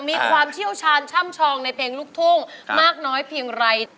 มีความเชี่ยวชาญช่ำชองในเพลงลูกทุ่งมากน้อยเพียงไร